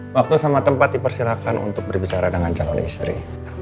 waktu sama tempat dipersilahkan untuk berbicara dengan calon istri